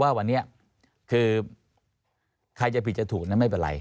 ว่าวันนี้คือใครจะผิดจะถูกนะไม่เป็นไร